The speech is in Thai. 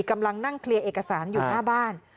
กำลังนั่งเคลียร์เอกสารอยู่หน้าบ้าน